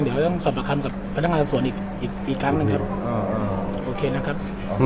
เดี๋ยวต้องสอบประคำกับพนักงานส่วนอีกครั้งหนึ่งครับโอเคนะครับ